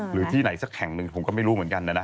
หรือที่ไหนสักแห่งหนึ่งผมก็ไม่รู้เหมือนกันนะนะ